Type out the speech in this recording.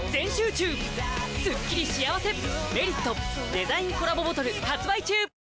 デザインコラボボトル発売中！